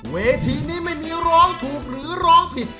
เวทีนี้ไม่มีร้องถูกหรือร้องผิด